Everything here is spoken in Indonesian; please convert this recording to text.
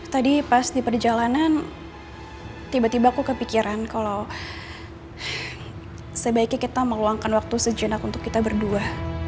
tadi pas di perjalanan tiba tiba aku kepikiran kalau sebaiknya kita meluangkan waktu sejenak untuk kita berdua